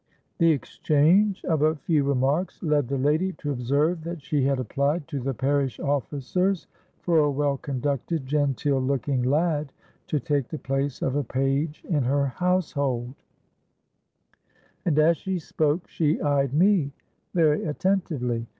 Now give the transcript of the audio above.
The exchange of a few remarks led the lady to observe that she had applied to the parish officers for a well conducted, genteel looking lad to take the place of a page in her household; and, as she spoke, she eyed me very attentively.